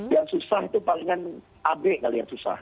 yang susah itu palingan ab kali ya susah